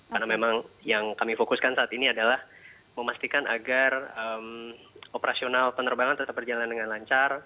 karena memang yang kami fokuskan saat ini adalah memastikan agar operasional penerbangan tetap berjalan dengan lancar